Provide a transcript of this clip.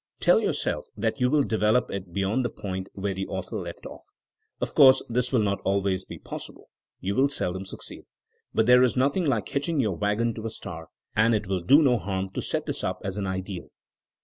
'' Tell yourself that you will develop it beyond the point where the au thor left off. Of course this will not always be possible. You will seldom succeed. But there is nothing like hitching your wagon to a star, and it will do no harm to set this up as an ideal.